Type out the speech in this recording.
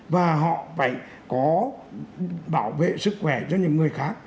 và họ phải có bảo vệ sức khỏe cho những người khác